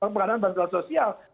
pengadaan bantuan sosial